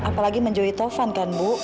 apalagi menjauhi taufan kan bu